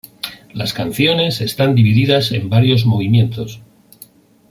Las canciones están divididas en varios movimientos.